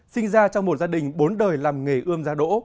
sinh ra trong một gia đình bốn đời làm nghề ươm giá đỗ